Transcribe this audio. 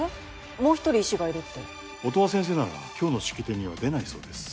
もう一人医師がいるって音羽先生なら今日の式典には出ないそうです